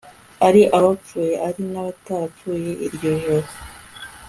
ari abapfuye ari n'abatarapfuye iryo joro